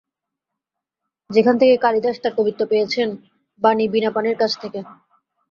যেখান থেকে কালিদাস তাঁর কবিত্ব পেয়েছেন, বাণী বীণাপাণির কাছ থেকে।